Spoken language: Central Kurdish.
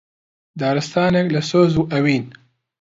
داستانێک لە سۆز و ئەوین